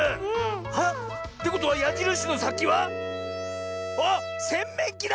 あっってことはやじるしのさきはあっせんめんきだ！